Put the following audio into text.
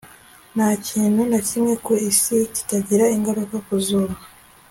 nta kintu na kimwe ku isi kitagira ingaruka ku zuba